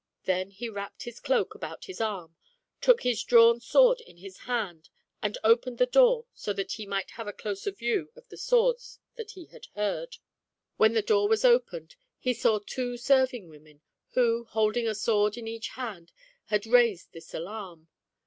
Then he wrapped his cloak about his arm, took his drawn sword in his hand, and opened SECOND T)Ar: TALE ATI. !8g the door so that he might have a closer view of the swords that he had heard. When the door was opened, he saw two serving women, who, holding a sword in each hand, had raised this alarm.